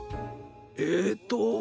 えっと。